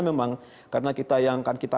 memang karena kita yang akan kita